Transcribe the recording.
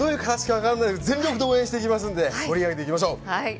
全力で応援していきますので盛り上げていきましょう。